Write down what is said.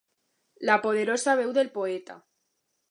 La poderosa veu del poeta.